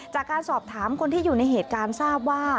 จากการสอบถามคนที่อยู่ในเหตุการณ์ทราบว่า